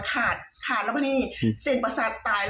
ขณะเดียวกันคุณอ้อยคนที่เป็นเมียฝรั่งคนนั้นแหละ